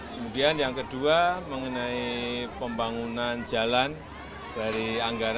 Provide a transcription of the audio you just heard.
kemudian yang kedua mengenai pembangunan jalan dari anggaran